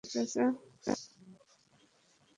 ছোটি ঠিক আছে, চাচা?